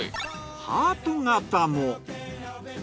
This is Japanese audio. ハート形も。